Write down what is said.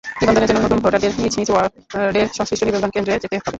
নিবন্ধনের জন্য নতুন ভোটারদের নিজ নিজ ওয়ার্ডের সংশ্লিষ্ট নিবন্ধনকেন্দ্রে যেতে হবে।